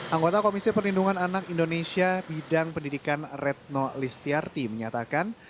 anggota komisi perlindungan anak indonesia bidang pendidikan retno listiarti menyatakan